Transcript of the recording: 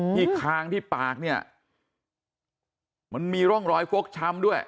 คางที่ปากเนี่ยมันมีร่องรอยฟกช้ำด้วย